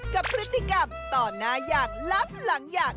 กับพฤติกรรมต่อหน้าอยากลับหลังอยาก